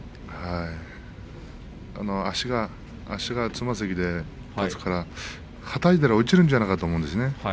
足がつま先で立つからはたいたら落ちるんじゃないかなと思うんですね。